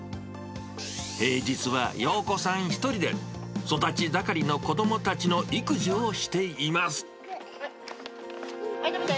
平日はようこさん１人で、育ち盛りの子どもたちの育児をしています。